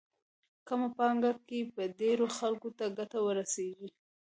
کمه پانګه کې به ډېرو خلکو ته ګټه ورسېږي.